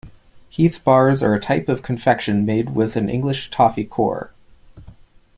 Heath bars are a type of confection made with an English toffee core.